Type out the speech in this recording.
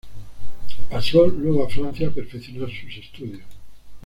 Pasó luego a Francia a perfeccionar sus estudios.